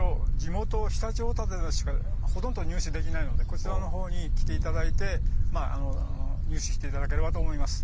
常陸太田市でしかほとんど入手できないのでこちらに来ていただいて入手していただければと思います。